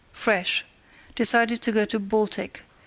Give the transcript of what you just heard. fresh. Decided to go to Baltic.